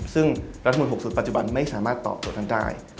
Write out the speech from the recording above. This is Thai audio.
ซึ่งรัฐมนต๖๐ปัจจุบันไม่สามารถตอบโจทย์นั้นได้